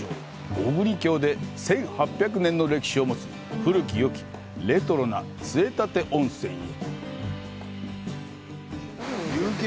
小国郷で１８００年の歴史を持つ古きよき、レトロな杖立温泉へ。